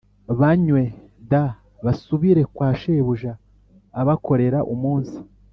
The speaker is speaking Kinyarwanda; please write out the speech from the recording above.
banywe d basubire kwa shebuja Abakorera umunsi